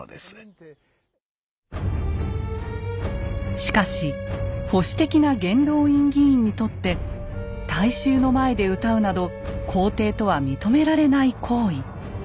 しかし保守的な元老院議員にとって大衆の前で歌うなど皇帝とは認められない行為。